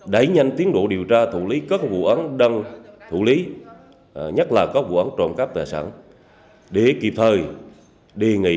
đẩy nhanh tiến độ điều tra thủ lý các vụ ấn đăng thủ lý nhất là các vụ ấn trộm cắp tài sản để kịp thời đề nghị